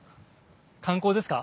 観光ですか？